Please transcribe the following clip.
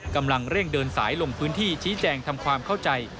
กำลังเร่งเดินสายลงพื้นที่ชี้แจงทำความเข้าใจ